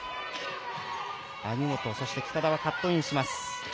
網本そして北田はカットインします。